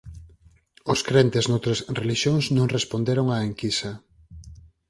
Os crentes noutras relixións non responderon á enquisa.